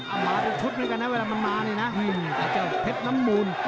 เอามาเป็นชุดเหมือนกันนะเวลามันมานี่นะไอ้เจ้าเพชรน้ำมูล